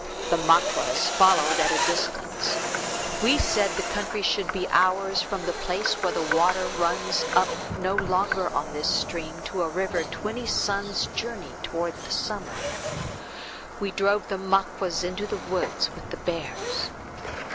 The Maquas followed at a distance. We said the country should be ours from the place where the water runs up no longer on this stream, to a river twenty sun's journey toward the summer. We drove the Maquas into the woods with the bears.